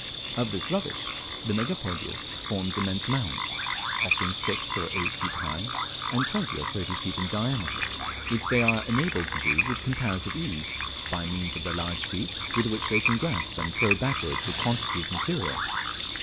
Of this rubbish the Megapodius forms immense mounds, often six or eight feet high and twenty or thirty feet in diameter, which they are enabled to do with comparative ease, by means of their large feet, with which they can grasp and throw backwards a quantity of material.